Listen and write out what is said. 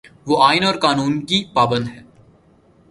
وہ آئین اور قانون کی پابند ہے۔